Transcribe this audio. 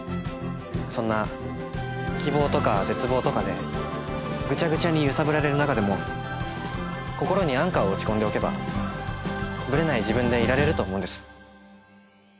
そんな希望とか絶望とかでぐちゃぐちゃに揺さぶられる中でも心にアンカーを打ち込んでおけばブレない自分でいられると思うんです。